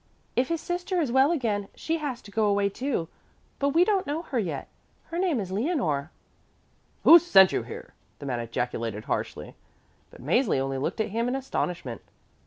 If his sister is well again, she has to go away, too. But we don't know her yet. Her name is Leonore." "Who sent you here?" the gentleman ejaculated harshly. But Mäzli only looked at him in astonishment.